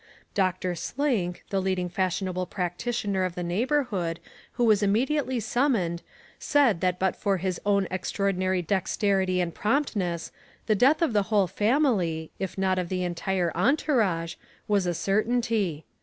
Dr. Slink, the leading fashionable practitioner of the neighbourhood who was immediately summoned said that but for his own extraordinary dexterity and promptness the death of the whole family, if not of the entire entourage, was a certainty.